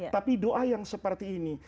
tapi doa yang seperti ini